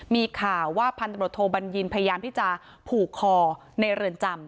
มีข่าวว่าพันตรวจโทบัญญินพยายามที่จะผูกคอในเรือนจำ